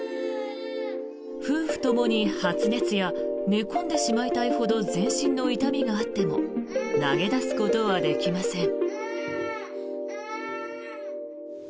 夫婦ともに発熱や寝込んでしまいたいほど全身の痛みがあっても投げ出すことはできません。